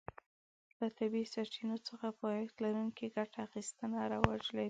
له طبیعي سرچینو څخه پایښت لرونکې ګټه اخیستنه رواج کړي.